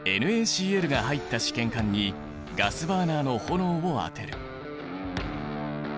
ＮａＣｌが入った試験管にガスバーナーの炎を当てる。